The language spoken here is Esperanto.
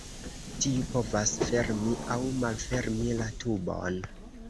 Tiu povas fermi aŭ malfermi la tubon.